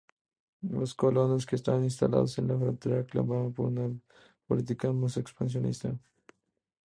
Los colonos que estaban instalados en la frontera clamaban por una política más expansionista.